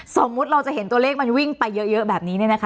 สมมุติเราจะเห็นตัวเลขมันวิ่งไปเยอะแบบนี้เนี่ยนะคะ